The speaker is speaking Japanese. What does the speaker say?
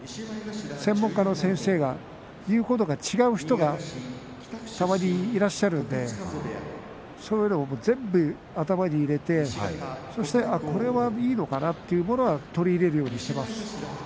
専門家の先生が言うことが違う人がたまに、いらっしゃいますのでそういうものを全部頭に入れてそして、これはいいのかなというものは取り入れるようにします。